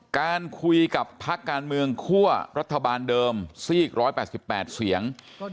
การคุยกับพักการเมืองคั่วรัฐบาลเดิมซีก๑๘๘เสียง